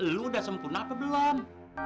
lu udah sempurna apa belum